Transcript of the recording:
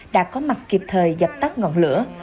đã có mặt kịp thời dập tắt ngọn lửa